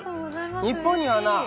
日本にはな